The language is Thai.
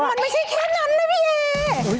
มันไม่ใช่แค่นั้นนะพี่เอ